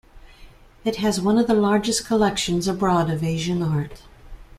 It has one of the largest collections abroad of Asian art.